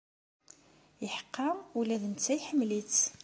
Iḥeqqa, ula d netta iḥemmel-itt.